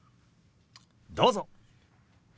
どうぞ。